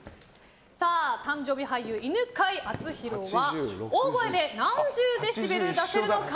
誕生日俳優・犬飼貴丈は大声で何十デシベル出せるのか。